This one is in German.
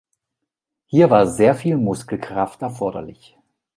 Hier war sehr viel Muskelkraft erforderlich.